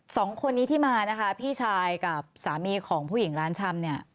สองคนนี้ที่มานะคะพี่ชายกับสามีของผู้หญิงร้านชำเนี่ย